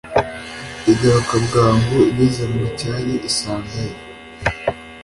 igaruka bwangu, igeze mu cyari isangayo